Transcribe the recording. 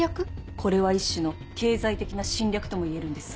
これは一種の経済的な侵略ともいえるんです。